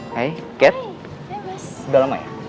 hai cat udah lama ya